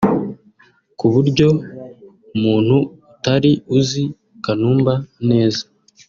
ku buryo umuntu utari uzi Kanumba neza